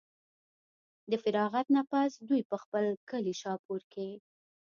د فراغت نه پس دوي پۀ خپل کلي شاهپور کښې